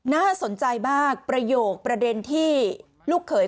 น่าสนใจมากประโยคประเด็นที่ลูกเขย